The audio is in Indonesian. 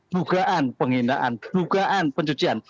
dugaan penghinaan dugaan pencucian